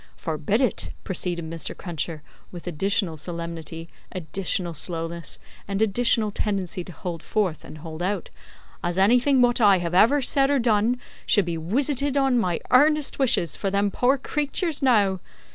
"Forbid it," proceeded Mr. Cruncher, with additional solemnity, additional slowness, and additional tendency to hold forth and hold out, "as anything wot I have ever said or done should be wisited on my earnest wishes for them poor creeturs now!